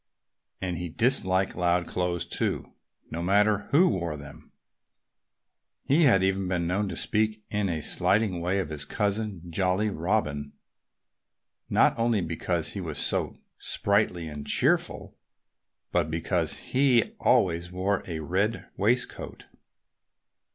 And he disliked loud clothes, too no matter who wore them. He had even been known to speak in a slighting way of his cousin, Jolly Robin, not only because he was so sprightly and cheerful, but because he always wore a red waistcoat.